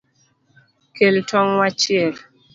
Kel tong’ wachiel